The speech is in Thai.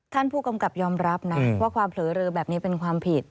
ท่านผู้กำกับยอมรับนะว่าความเผลอเลอแบบนี้เป็นความผิด